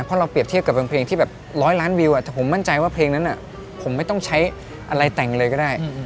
เพราะเราเปรียบเทียบกับเป็นเพลงที่แบบร้อยล้านวิวแต่ผมมั่นใจว่าเพลงนั้นผมไม่ต้องใช้อะไรแต่งเลยก็ได้